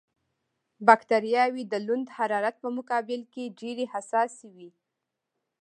بکټریاوې د لوند حرارت په مقابل کې ډېرې حساسې وي.